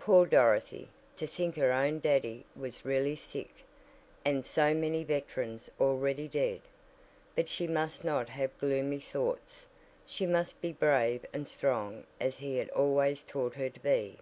Poor Dorothy! To think her own "Daddy" was really sick and so many veterans already dead! But she must not have gloomy thoughts, she must be brave and strong as he had always taught her to be.